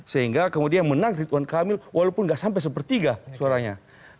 sehingga kemudian menang ritwan kamil walaupun nggak sampai sepertiga suaranya